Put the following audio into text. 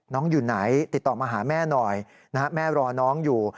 อยู่ไหนติดต่อมาหาแม่หน่อยแม่รอน้องอยู่